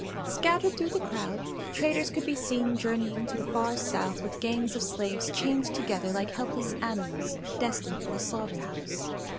Scattered through the crowd traders could be seen journeying to the far South with gangs of slaves chained together like helpless animals destined for the slaughter house.